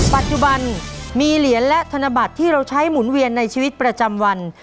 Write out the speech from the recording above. ปัจจุบันมีเหรียญและธนบัตรที่เราใช้หมุนเวียนในชีวิตประจำวัน